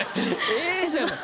「ええ」じゃない。